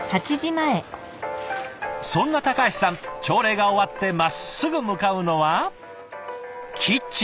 そんな橋さん朝礼が終わってまっすぐ向かうのはキッチン。